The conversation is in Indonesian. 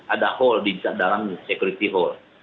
ada hole di dalam security hole